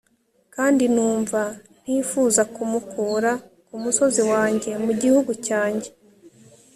kandi numva ntifuza kumukura ku musozi wanjye, mu gihugu cyanjye